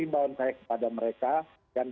imbauan saya kepada mereka dan